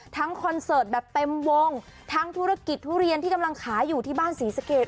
คอนเสิร์ตแบบเต็มวงทั้งธุรกิจทุเรียนที่กำลังขายอยู่ที่บ้านศรีสะเกด